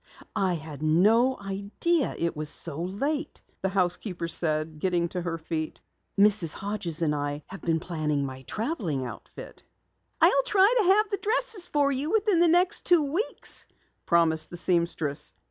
"I had no idea it was so late," the housekeeper said, getting to her feet. "Mrs. Hodges and I have been planning my traveling outfit." "I'll try to have the dresses for you within the next two weeks," promised the seamstress.